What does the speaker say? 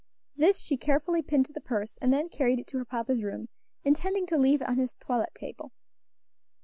This she carefully pinned to the purse, and then carried it to her papa's room, intending to leave it on his toilet table.